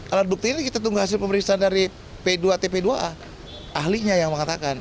alat bukti ini kita tunggu hasil pemeriksaan dari p dua tp dua a ahlinya yang mengatakan